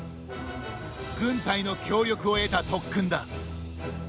軍隊の協力を得た特訓だ。